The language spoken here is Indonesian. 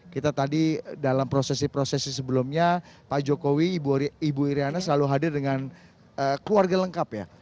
kita tadi dalam prosesi prosesi sebelumnya pak jokowi ibu iryana selalu hadir dengan keluarga lengkap ya